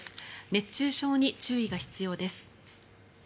熱中症に注意が必要です。